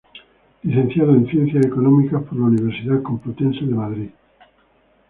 Licenciado en Ciencias Económicas en la Universidad Complutense de Madrid.